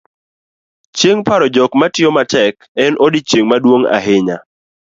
chieng' paro jok matiyo matek, en odiochieng' maduong' ahinya